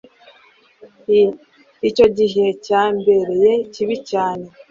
Icyo gihe cyambereye kibi cyane.